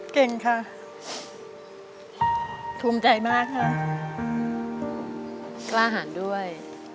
เก่งค่ะภูมิใจมากค่ะกล้าหันด้วย